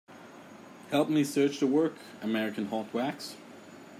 Help me search the work, American Hot Wax.